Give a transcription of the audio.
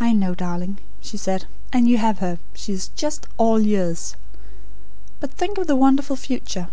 "I know, darling," she said. "And you have her. She is just ALL YOURS. But think of the wonderful future.